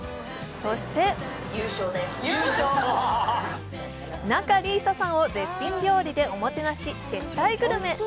そして仲里依紗さんを絶品料理でおもてなし接待グルメ。